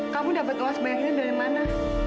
kamu dapat uang sebanyak ini dari mana